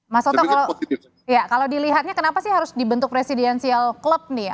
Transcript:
mas soto kalau dilihatnya kenapa sih harus dibentuk presidensial club nih ya